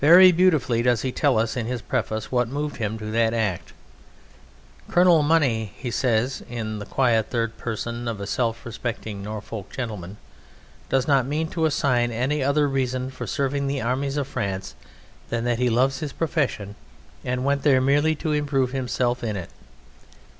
Very beautifully does he tell us in his preface what moved him to that act. "Colonel Money," he says, in the quiet third person of a self respecting Norfolk gentleman, "does not mean to assign any other reason for serving the armies of France than that he loves his profession and went there merely to improve himself in it."